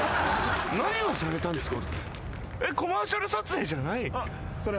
何をされたんですか？